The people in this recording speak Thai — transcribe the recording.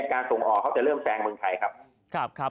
การส่งออกเขาจะเริ่มแซงเมืองไทยครับ